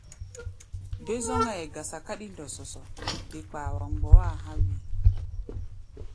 Be-zɔ́ŋáʼɛ gasa káɗí ndɔsɔsɔ, de kpaa wa mgbɔá a̧ há̧ wíi.